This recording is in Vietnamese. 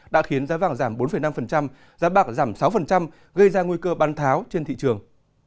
đã khiến giá vàng giảm bốn năm giá bạc giảm sáu gây ra nguy cơ băn tháo trên thị trường